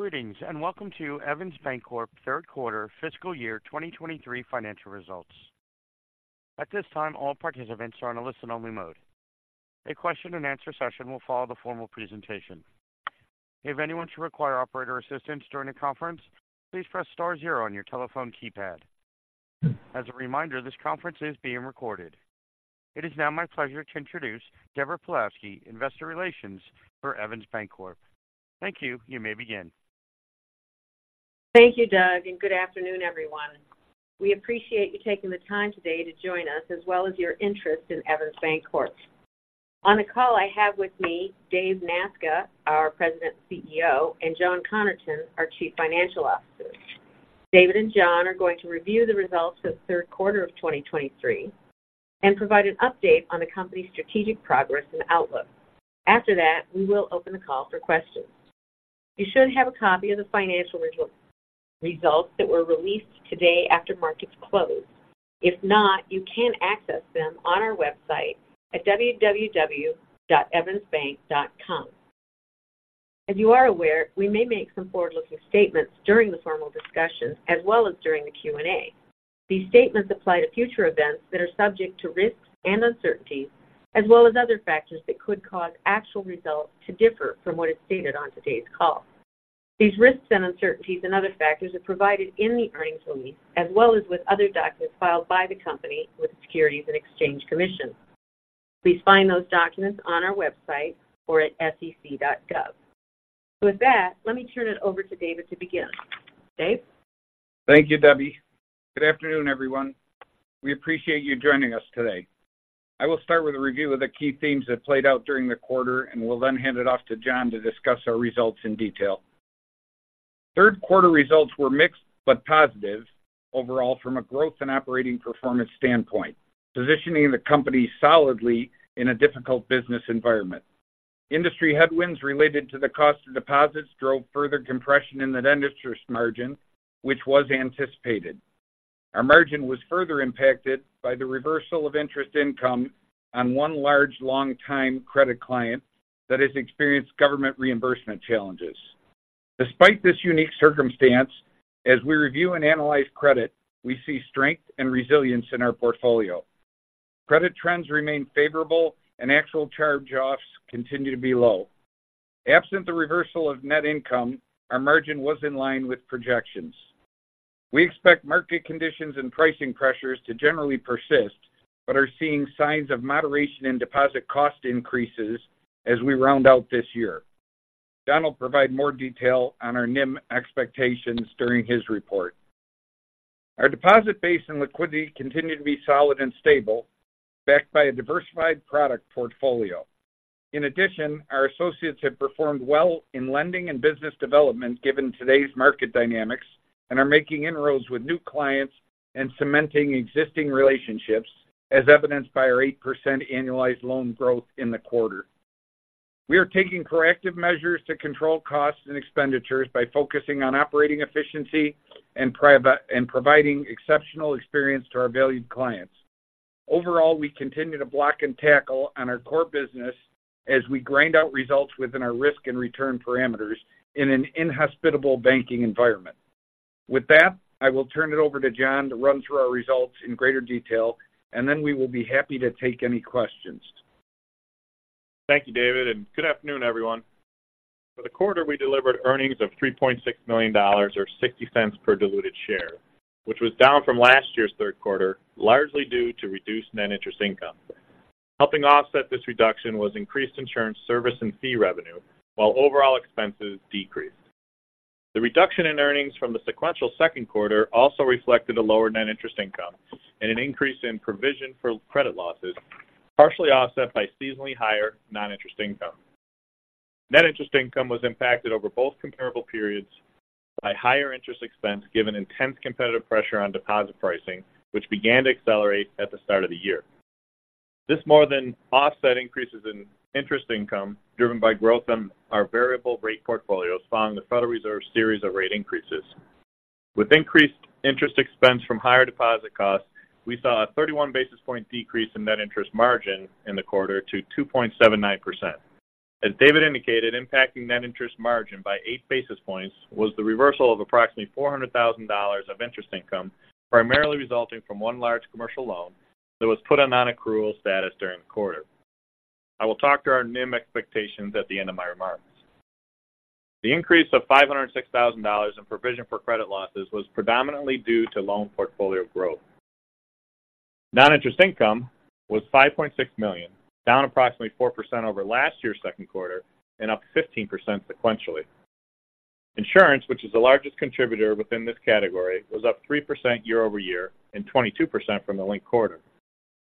Greetings, and welcome to Evans Bancorp third quarter fiscal year 2023 financial results. At this time, all participants are on a listen-only mode. A question and answer session will follow the formal presentation. If anyone should require operator assistance during the conference, please press star zero on your telephone keypad. As a reminder, this conference is being recorded. It is now my pleasure to introduce Deborah Pawlowski, Investor Relations for Evans Bancorp. Thank you. You may begin. Thank you, Doug, and good afternoon, everyone. We appreciate you taking the time today to join us, as well as your interest in Evans Bancorp. On the call, I have with me Dave Nasca, our President and CEO, and John Connerton, our Chief Financial Officer. David and John are going to review the results of the third quarter of 2023 and provide an update on the company's strategic progress and outlook. After that, we will open the call for questions. You should have a copy of the financial results, results that were released today after markets closed. If not, you can access them on our website at www.evansbank.com. As you are aware, we may make some forward-looking statements during the formal discussion as well as during the Q&A. These statements apply to future events that are subject to risks and uncertainties, as well as other factors that could cause actual results to differ from what is stated on today's call. These risks and uncertainties and other factors are provided in the earnings release, as well as with other documents filed by the company with the Securities and Exchange Commission. Please find those documents on our website or at sec.gov. So with that, let me turn it over to David to begin. Dave? Thank you, Debbie. Good afternoon, everyone. We appreciate you joining us today. I will start with a review of the key themes that played out during the quarter and will then hand it off to John to discuss our results in detail. Third quarter results were mixed but positive overall from a growth and operating performance standpoint, positioning the company solidly in a difficult business environment. Industry headwinds related to the cost of deposits drove further compression in the net interest margin, which was anticipated. Our margin was further impacted by the reversal of interest income on one large long-time credit client that has experienced government reimbursement challenges. Despite this unique circumstance, as we review and analyze credit, we see strength and resilience in our portfolio. Credit trends remain favorable and actual charge-offs continue to be low. Absent the reversal of net income, our margin was in line with projections. We expect market conditions and pricing pressures to generally persist, but are seeing signs of moderation in deposit cost increases as we round out this year. John will provide more detail on our NIM expectations during his report. Our deposit base and liquidity continue to be solid and stable, backed by a diversified product portfolio. In addition, our associates have performed well in lending and business development given today's market dynamics, and are making inroads with new clients and cementing existing relationships, as evidenced by our 8% annualized loan growth in the quarter. We are taking corrective measures to control costs and expenditures by focusing on operating efficiency and providing exceptional experience to our valued clients. Overall, we continue to block and tackle on our core business as we grind out results within our risk and return parameters in an inhospitable banking environment. With that, I will turn it over to John to run through our results in greater detail, and then we will be happy to take any questions. Thank you, David, and good afternoon, everyone. For the quarter, we delivered earnings of $3.6 million, or $0.60 per diluted share, which was down from last year's third quarter, largely due to reduced net interest income. Helping offset this reduction was increased insurance service and fee revenue, while overall expenses decreased. The reduction in earnings from the sequential second quarter also reflected a lower net interest income and an increase in provision for credit losses, partially offset by seasonally higher non-interest income. Net interest income was impacted over both comparable periods by higher interest expense, given intense competitive pressure on deposit pricing, which began to accelerate at the start of the year. This more than offset increases in interest income, driven by growth on our variable rate portfolios, following the Federal Reserve's series of rate increases. With increased interest expense from higher deposit costs, we saw a 31 basis point decrease in net interest margin in the quarter to 2.79%. As David indicated, impacting net interest margin by 8 basis points was the reversal of approximately $400,000 of interest income, primarily resulting from one large commercial loan that was put on non-accrual status during the quarter. I will talk to our NIM expectations at the end of my remarks. The increase of $506,000 in provision for credit losses was predominantly due to loan portfolio growth. Non-interest income was $5.6 million, down approximately 4% over last year's second quarter and up 15% sequentially. Insurance, which is the largest contributor within this category, was up 3% year-over-year and 22% from the linked quarter.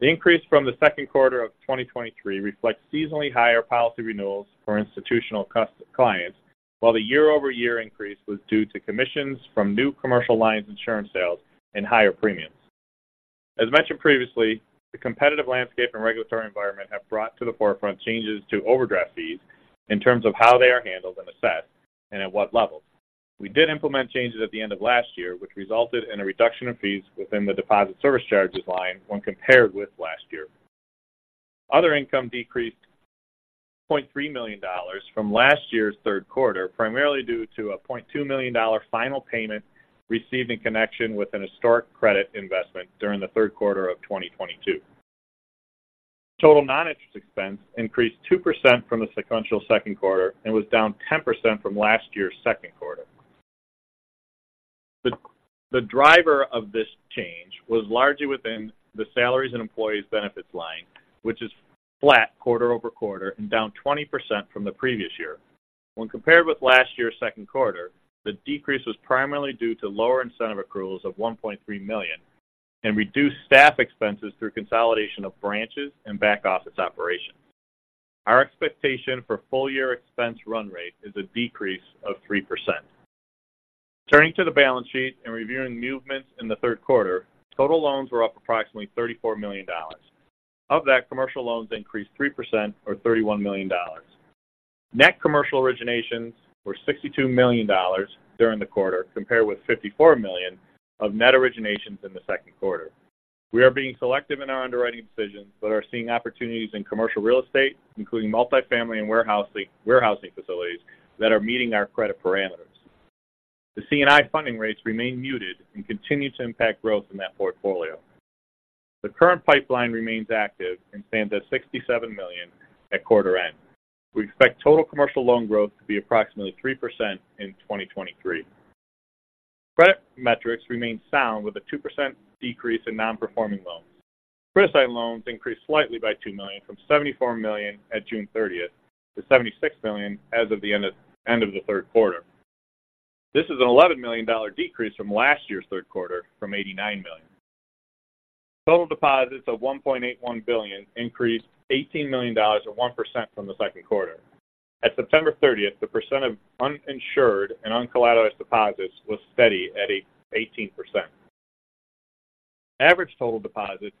The increase from the second quarter of 2023 reflects seasonally higher policy renewals for institutional clients, while the year-over-year increase was due to commissions from new commercial lines insurance sales and higher premiums. As mentioned previously, the competitive landscape and regulatory environment have brought to the forefront changes to overdraft fees in terms of how they are handled and assessed and at what levels. We did implement changes at the end of last year, which resulted in a reduction of fees within the deposit service charges line when compared with last year. Other income decreased $0.3 million from last year's third quarter, primarily due to a $0.2 million final payment received in connection with an historic credit investment during the third quarter of 2022. Total non-interest expense increased 2% from the sequential second quarter and was down 10% from last year's second quarter. The driver of this change was largely within the salaries and employee benefits line, which is flat quarter-over-quarter and down 20% from the previous year. When compared with last year's second quarter, the decrease was primarily due to lower incentive accruals of $1.3 million and reduced staff expenses through consolidation of branches and back-office operations. Our expectation for full year expense run rate is a decrease of 3%. Turning to the balance sheet and reviewing movements in the third quarter, total loans were up approximately $34 million. Of that, commercial loans increased 3% or $31 million. Net commercial originations were $62 million during the quarter, compared with $54 million of net originations in the second quarter. We are being selective in our underwriting decisions but are seeing opportunities in commercial real estate, including multifamily and warehousing facilities, that are meeting our credit parameters. The C&I funding rates remain muted and continue to impact growth in that portfolio. The current pipeline remains active and stands at $67 million at quarter end. We expect total commercial loan growth to be approximately 3% in 2023. Credit metrics remain sound, with a 2% decrease in non-performing loans. Criticized loans increased slightly by $2 million, from $74 million at June thirtieth to $76 million as of the end of, end of the third quarter. This is an $11 million decrease from last year's third quarter, from $89 million. Total deposits of $1.81 billion increased $18 million, or 1%, from the second quarter. At September 30th, the percent of uninsured and uncollateralized deposits was steady at 18%. Average total deposits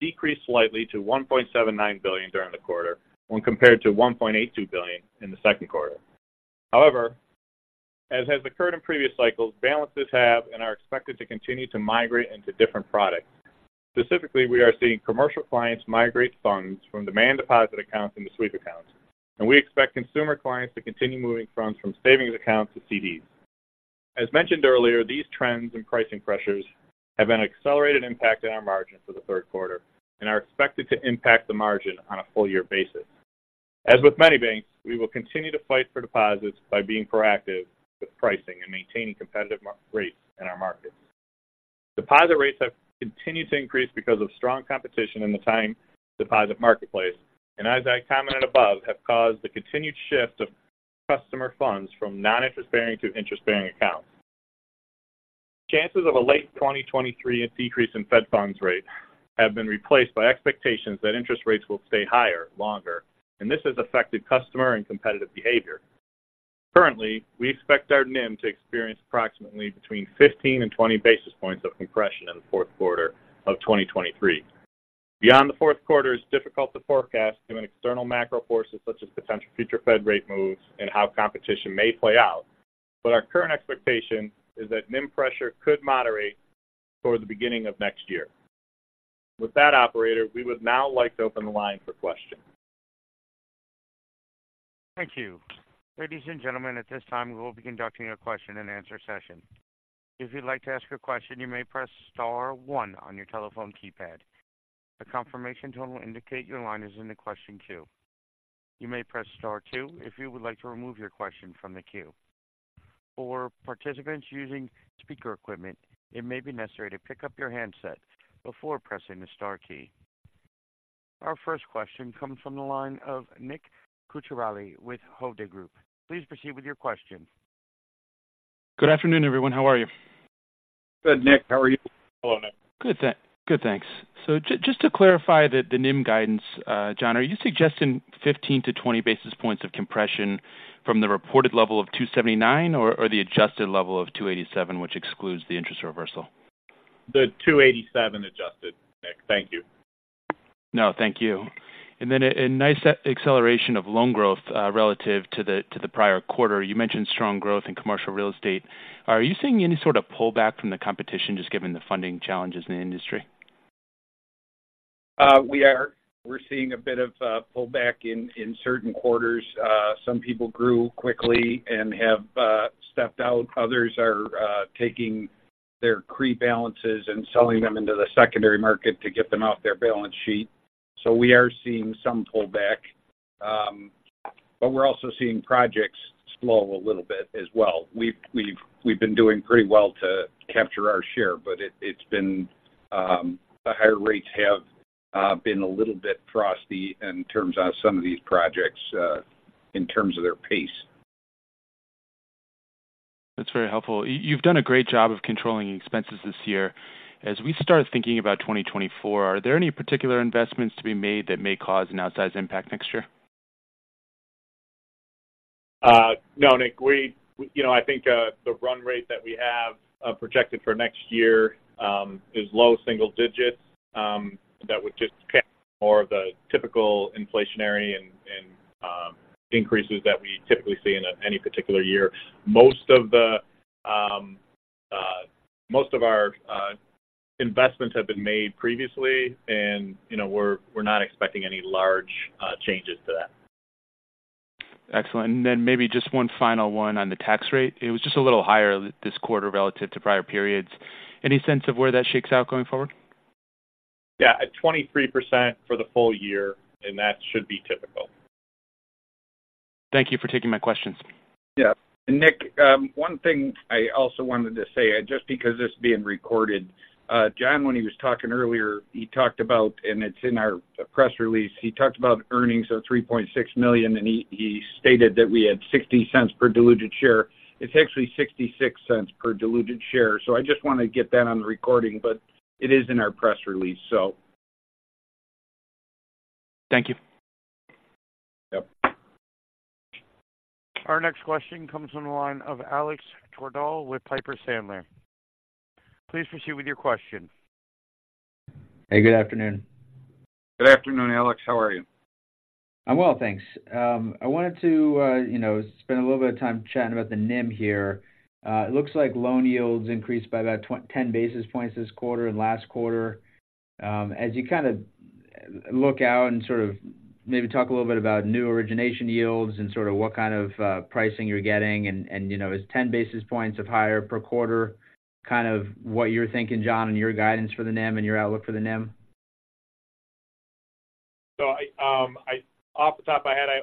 decreased slightly to $1.79 billion during the quarter, when compared to $1.82 billion in the second quarter. However, as has occurred in previous cycles, balances have and are expected to continue to migrate into different products. Specifically, we are seeing commercial clients migrate funds from demand deposit accounts into sweep accounts, and we expect consumer clients to continue moving funds from savings accounts to CDs. As mentioned earlier, these trends and pricing pressures have been an accelerated impact on our margin for the third quarter and are expected to impact the margin on a full year basis. As with many banks, we will continue to fight for deposits by being proactive with pricing and maintaining competitive market rates in our markets. Deposit rates have continued to increase because of strong competition in the time deposit marketplace, and as I commented above, have caused the continued shift of customer funds from non-interest bearing to interest-bearing accounts. Chances of a late 2023 decrease in Fed funds rate have been replaced by expectations that interest rates will stay higher, longer, and this has affected customer and competitive behavior. Currently, we expect our NIM to experience approximately between 15 and 20 basis points of compression in the fourth quarter of 2023. Beyond the fourth quarter is difficult to forecast due to external macro forces, such as potential future Fed rate moves and how competition may play out, but our current expectation is that NIM pressure could moderate toward the beginning of next year. With that, operator, we would now like to open the line for questions. Thank you. Ladies and gentlemen, at this time, we will be conducting a question-and-answer session. If you'd like to ask a question, you may press star one on your telephone keypad. A confirmation tone will indicate your line is in the question queue. You may press star two if you would like to remove your question from the queue. For participants using speaker equipment, it may be necessary to pick up your handset before pressing the star key. Our first question comes from the line of Nick Cucharale with Hovde Group. Please proceed with your question. Good afternoon, everyone. How are you? Good, Nick. How are you? Hello, Nick. Good, good, thanks. So just to clarify that the NIM guidance, John, are you suggesting 15-20 basis points of compression from the reported level of 2.79 or, or the adjusted level of 2.87, which excludes the interest reversal? The $2.87 adjusted, Nick. Thank you. No, thank you. Then a nice acceleration of loan growth, relative to the prior quarter. You mentioned strong growth in commercial real estate. Are you seeing any sort of pullback from the competition, just given the funding challenges in the industry? We're seeing a bit of pullback in certain quarters. Some people grew quickly and have stepped out. Others are taking their CRE balances and selling them into the secondary market to get them off their balance sheet. So we are seeing some pullback. But we're also seeing projects slow a little bit as well. We've been doing pretty well to capture our share, but it's been the higher rates have been a little bit frosty in terms of some of these projects, in terms of their pace. That's very helpful. You, you've done a great job of controlling expenses this year. As we start thinking about 2024, are there any particular investments to be made that may cause an outsized impact next year? No, Nick, you know, I think the run rate that we have projected for next year is low single digits, that would just capture more of the typical inflationary and increases that we typically see in any particular year. Most of our investments have been made previously, and, you know, we're not expecting any large changes to that. Excellent. And then maybe just one final one on the tax rate. It was just a little higher than this quarter relative to prior periods. Any sense of where that shakes out going forward? Yeah, at 23% for the full year, and that should be typical. Thank you for taking my questions. Yeah. Nick, one thing I also wanted to say, just because this is being recorded, John, when he was talking earlier, he talked about, and it's in our press release, he talked about earnings of $3.6 million, and he stated that we had $0.60 per diluted share. It's actually $0.66 per diluted share. I just want to get that on the recording, but it is in our press release. Thank you. Yep. Our next question comes from the line of Alex Twerdahl with Piper Sandler. Please proceed with your question. Hey, good afternoon. Good afternoon, Alex. How are you? I'm well, thanks. I wanted to, you know, spend a little bit of time chatting about the NIM here. It looks like loan yields increased by about 10 basis points this quarter and last quarter. As you kind of look out and sort of maybe talk a little bit about new origination yields and sort of what kind of, pricing you're getting, and, you know, is 10 basis points higher per quarter, kind of what you're thinking, John, and your guidance for the NIM and your outlook for the NIM? I-- off the top of my head, I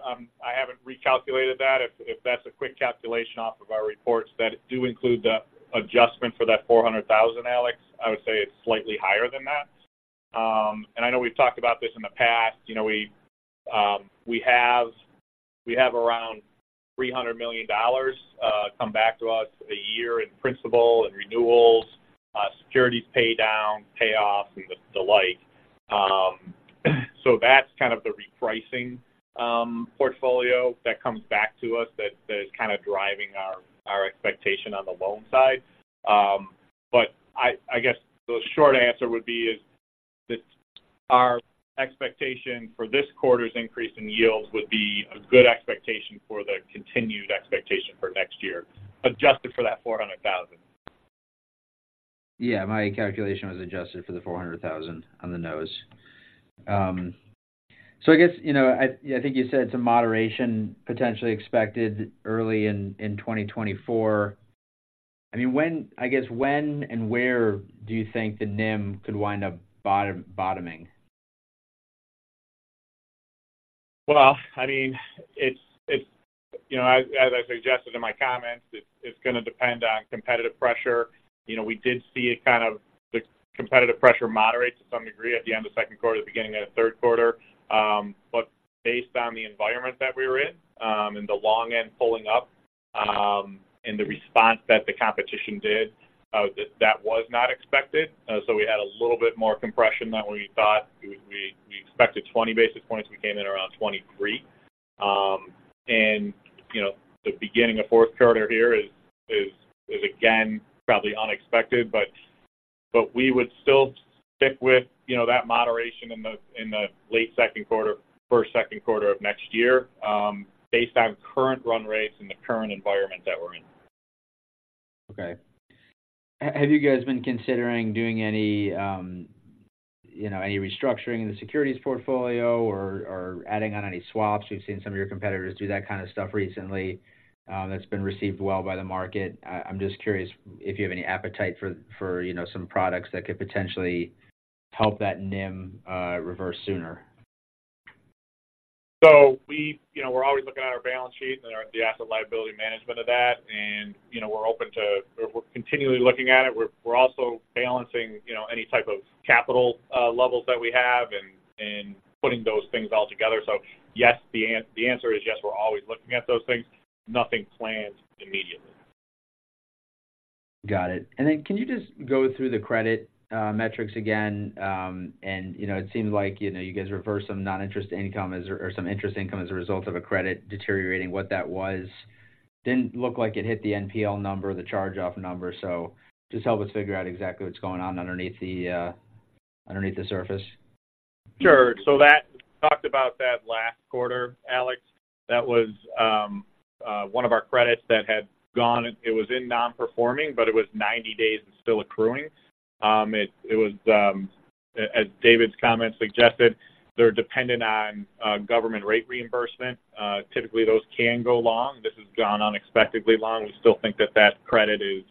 haven't recalculated that. If that's a quick calculation off of our reports that do include the adjustment for that $400,000, Alex, I would say it's slightly higher than that. I know we've talked about this in the past. You know, we have around $300 million come back to us a year in principal and renewals, securities paydowns, payoffs and the like. That's kind of the repricing portfolio that comes back to us that is kind of driving our expectation on the loan side. But I guess the short answer would be is that our expectation for this quarter's increase in yields would be a good expectation for the continued expectation for next year, adjusted for that $400,000. Yeah, my calculation was adjusted for the $400,000 on the nose. So I guess, you know, I think you said some moderation potentially expected early in 2024. I mean, when, I guess, when and where do you think the NIM could wind up bottoming? Well, I mean, it's. You know, as I suggested in my comments, it's gonna depend on competitive pressure. You know, we did see a kind of the competitive pressure moderate to some degree at the end of second quarter, the beginning of the third quarter. But based on the environment that we're in, and the long end pulling up, and the response that the competition did, that was not expected. So we had a little bit more compression than we thought. We expected 20 basis points. We came in around 23. You know, the beginning of fourth quarter here is, is, is again, probably unexpected, but we would still stick with, you know, that moderation in the late second quarter, first, second quarter of next year, based on current run rates and the current environment that we're in. Okay. Have you guys been considering doing any, you know, any restructuring in the securities portfolio or, or adding on any swaps? We've seen some of your competitors do that kind of stuff recently. That's been received well by the market. I'm just curious if you have any appetite for, for, you know, some products that could potentially help that NIM, reverse sooner. So we, you know, we're always looking at our balance sheet and our—the asset liability management of that, and, you know, we're open to, we're continually looking at it. We're also balancing, you know, any type of capital levels that we have and putting those things all together. So yes, the answer is yes, we're always looking at those things. Nothing planned immediately. Got it. Can you just go through the credit metrics again? You know, it seems like, you know, you guys reversed some non-interest income as, or some interest income as a result of a credit deteriorating. What that was? Didn't look like it hit the NPL number, the charge-off number, so just help us figure out exactly what's going on underneath the surface. Sure. That talked about that last quarter, Alex. That was one of our credits that had gone—it was in non-performing, but it was 90 days and still accruing. It was, as David's comment suggested, they're dependent on government rate reimbursement. Typically, those can go long. This has gone unexpectedly long. We still think that that credit is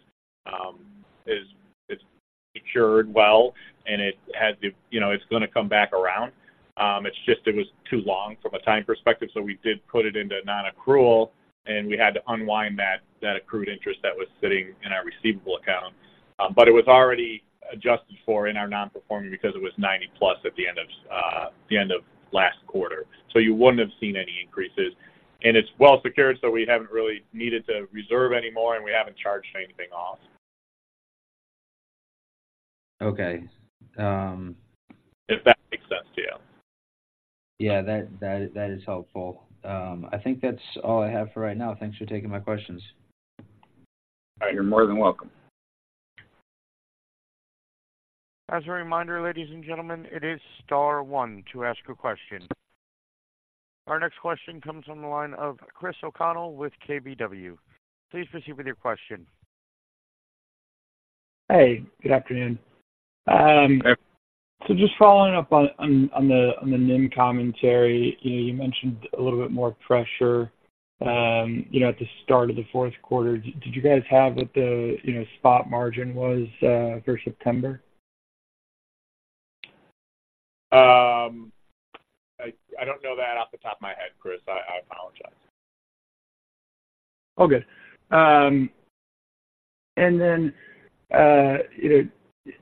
secured well, and it has the—you know, it's gonna come back around. It's just it was too long from a time perspective, so we did put it into non-accrual, and we had to unwind that accrued interest that was sitting in our receivable account. It was already adjusted for in our non-performing because it was 90 plus at the end of the end of last quarter. You wouldn't have seen any increases. It's well secured, so we haven't really needed to reserve anymore, and we haven't charged anything off. Okay, um- If that makes sense to you. Yeah, that is helpful. I think that's all I have for right now. Thanks for taking my questions. All right. You're more than welcome. As a reminder, ladies and gentlemen, it is star one to ask a question. Our next question comes on the line of Chris O'Connell with KBW. Please proceed with your question. Hey, good afternoon. Hey. So just following up on the NIM commentary. You know, you mentioned a little bit more pressure, you know, at the start of the fourth quarter. Did you guys have what the, you know, spot margin was for September? I don't know that off the top of my head, Chris. I apologize. All good. And then, you know,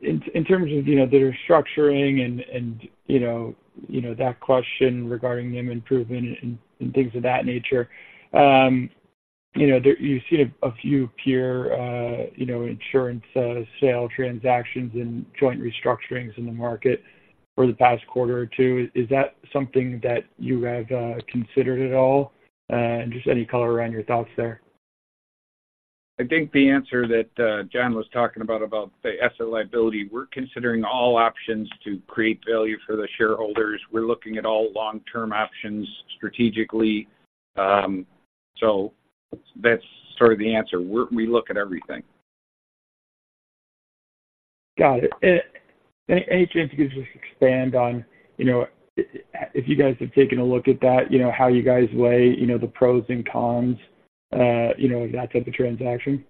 in terms of, you know, the restructuring and, you know, that question regarding NIM improvement and things of that nature. You know, there—you've seen a few peer, you know, insurance sale transactions and joint restructurings in the market for the past quarter or two. Is that something that you have considered at all? And just any color around your thoughts there. I think the answer that John was talking about, about the asset liability, we're considering all options to create value for the shareholders. We're looking at all long-term options strategically. So that's sort of the answer. We're -- we look at everything. Got it. Any chance you could just expand on, you know, if you guys have taken a look at that, you know, how you guys weigh, you know, the pros and cons, you know, of that type of transaction?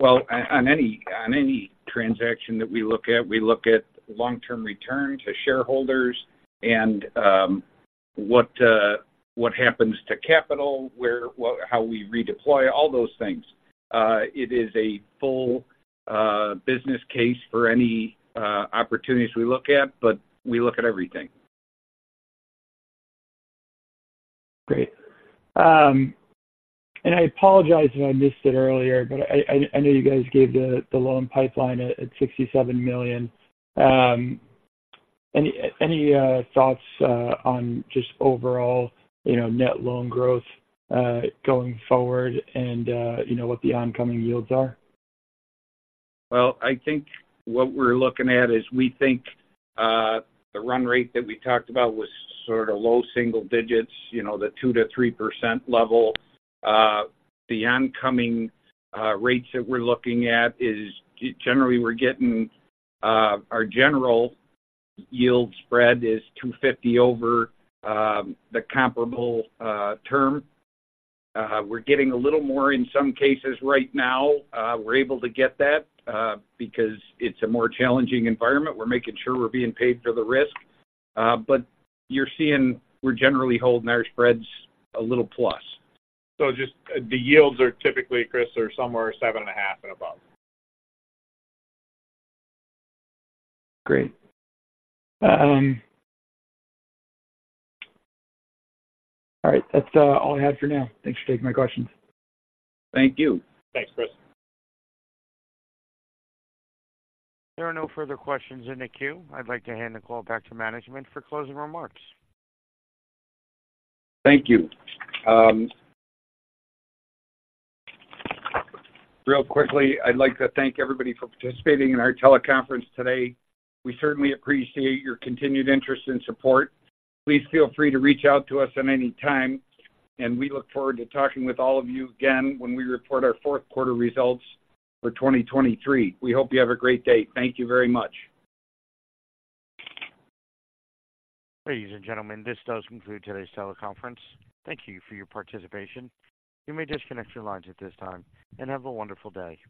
Well, on any transaction that we look at, we look at long-term return to shareholders and what happens to capital, where, what, how we redeploy all those things. It is a full business case for any opportunities we look at, but we look at everything. Great. And I apologize if I missed it earlier, but I know you guys gave the loan pipeline at $67 million. Any thoughts on just overall, you know, net loan growth going forward and, you know, what the oncoming yields are? Well, I think what we're looking at is we think the run rate that we talked about was sort of low single digits, you know, the 2%-3% level. The oncoming rates that we're looking at is generally we're getting, you know, our general yield spread is 250 over the comparable term. We're getting a little more in some cases right now. We're able to get that because it's a more challenging environment. We're making sure we're being paid for the risk, but you're seeing we're generally holding our spreads a little plus. Just the yields are typically, Chris, are somewhere 7.5 and above. Great. All right. That's all I had for now. Thanks for taking my questions. Thank you. Thanks, Chris. There are no further questions in the queue. I'd like to hand the call back to management for closing remarks. Thank you. Real quickly, I'd like to thank everybody for participating in our teleconference today. We certainly appreciate your continued interest and support. Please feel free to reach out to us at any time, and we look forward to talking with all of you again when we report our fourth quarter results for 2023. We hope you have a great day. Thank you very much. Ladies and gentlemen, this does conclude today's teleconference. Thank you for your participation. You may disconnect your lines at this time and have a wonderful day.